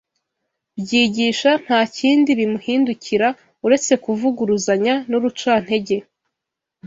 byigisha nta kindi bimuhindukira uretse kuvuguruzanya n’urucantege